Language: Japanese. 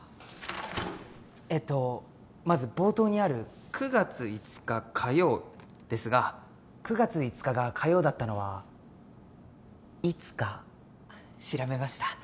えっとまず冒頭にある「９月５日火曜」ですが９月５日が火曜だったのはいつか調べました。